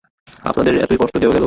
আপনাদের কত কষ্টই দেওয়া গেল!